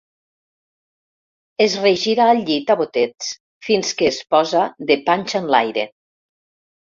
Es regira al llit a botets, fins que es posa de panxa enlaire.